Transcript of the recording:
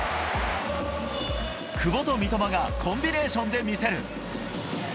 久保と三笘がコンビネーションで見せる。